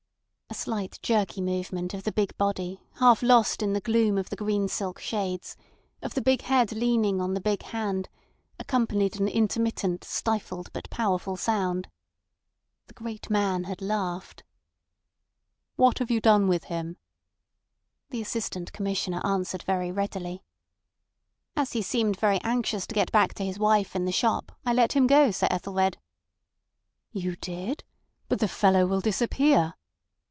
A slight jerky movement of the big body half lost in the gloom of the green silk shades, of the big head leaning on the big hand, accompanied an intermittent stifled but powerful sound. The great man had laughed. "What have you done with him?" The Assistant Commissioner answered very readily: "As he seemed very anxious to get back to his wife in the shop I let him go, Sir Ethelred." "You did? But the fellow will disappear."